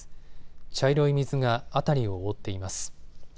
茶色い水が辺りを覆っています。